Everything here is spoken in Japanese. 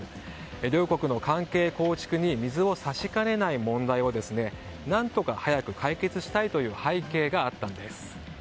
両国の関係構築に水を差しかねない問題を何とか早く解決したいという背景があったんです。